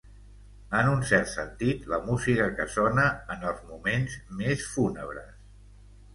En un cert sentit, la música que sona en els moments més fúnebres.